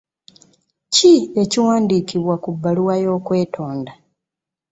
Ki ekiwandiikibwa mu bbaluwa y'okwetonda?